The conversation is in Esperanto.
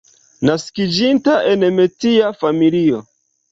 Naskiĝinta en metia familio.